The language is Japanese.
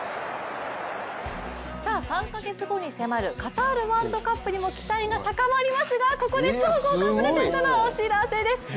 ３カ月後に迫るカタールワールドカップにも期待が高まりますがここで超豪華プレゼントのお知らせです。